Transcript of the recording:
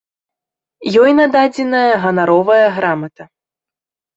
Ёй нададзеная ганаровая грамата.